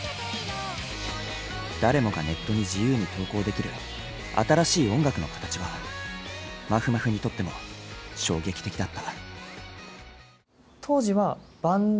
誰もがネットに自由に投稿できる新しい音楽の形はまふまふにとっても衝撃的だった。